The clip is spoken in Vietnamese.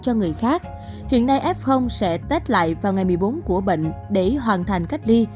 cho người khác hiện nay f sẽ tết lại vào ngày một mươi bốn của bệnh để hoàn thành cách ly